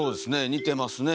似てますね